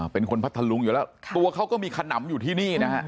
เป็นคนพัทธรุงอยู่แล้วตัวเขาก็มีขนำอยู่ที่นี่นะครับ